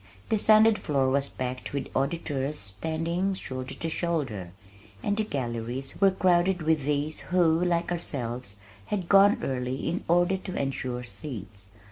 The sanded floor was packed with auditors standing shoulder to shoulder and the galleries were crowded with these who, like ourselves, had gone early in order to ensure seats.